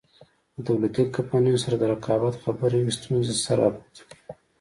له دولتي کمپنیو سره د رقابت خبره وي ستونزې سر راپورته کوي.